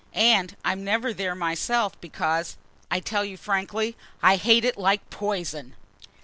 And I'm never there myself because I tell you frankly I hate it like poison!"